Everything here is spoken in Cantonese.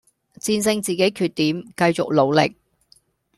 戰勝自己缺點，繼續努力